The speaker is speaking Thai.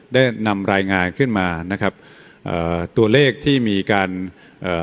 ได้นำรายงานขึ้นมานะครับเอ่อตัวเลขที่มีการเอ่อ